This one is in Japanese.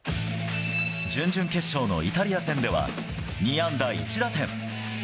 準々決勝のイタリア戦では、２安打１打点。